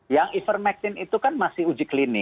yang ivermectin itu kan masih uji klinis